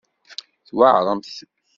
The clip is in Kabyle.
Tweɛremt.